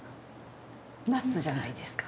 ナッツじゃないですか？